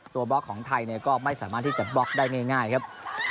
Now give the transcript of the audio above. บล็อกของไทยก็ไม่สามารถที่จะบล็อกได้ง่ายครับ